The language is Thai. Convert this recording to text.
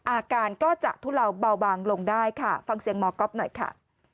อาการก็จะทุเลาเบาบางลงได้ค่ะฟังเสียงหมอก๊อฟหน่อยค่ะ